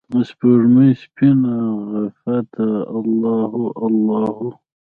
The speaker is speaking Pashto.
دسپوږمۍ سپینه عفته الله هو، الله هو